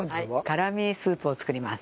辛味スープを作ります。